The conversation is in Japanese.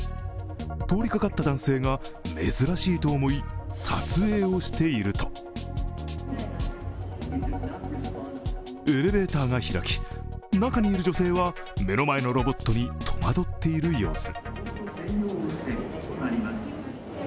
通りかかった男性が珍しいと思い撮影をしているとエレベーターが開き、中にいる女性は目の前のロボットに戸惑っている様子。